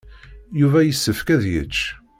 Yuba yessefk ad yečč.